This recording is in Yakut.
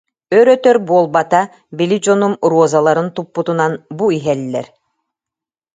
Өр-өтөр буолбата, били дьонум розаларын туппутунан бу иһэллэр